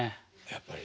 やっぱり。